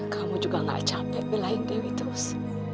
kamu juga gak capek belahin dewi terus